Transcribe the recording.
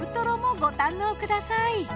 ご堪能ください。